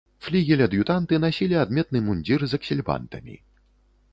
Флігель-ад'ютанты насілі адметны мундзір з аксельбантамі.